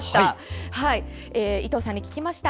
伊藤さんに聞きました。